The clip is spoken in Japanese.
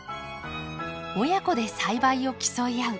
親子で栽培を競い合う。